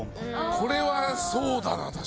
これはそうだな確かに。